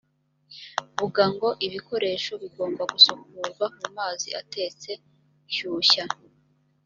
vuga ngo ibikoresho bigomba gusukurwa mu mazi atetse shyushya